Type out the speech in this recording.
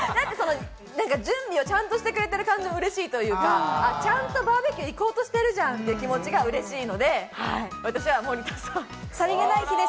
準備をちゃんとしてくれてるのも嬉しいというか、ちゃんとバーベキュー行こうとしてるじゃんっていうのが嬉しいので、私は森田さん。